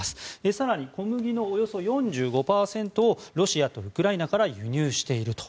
更に、小麦のおよそ４５％をロシアとウクライナから輸入していると。